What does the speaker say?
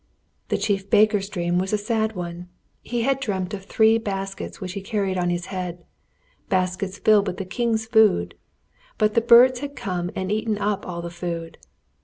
The chief baker's dream was a sad one. He had dreamt of three baskets which he carried on his head baskets filled with the king's food but the birds had come and eaten up all the food.